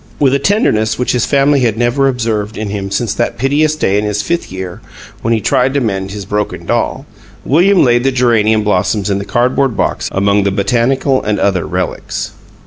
With a tenderness which his family had never observed in him since that piteous day in his fifth year when he tried to mend his broken doll, William laid the geranium blossoms in the cardboard box among the botanical and other relics.